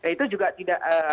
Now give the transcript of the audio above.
itu juga tidak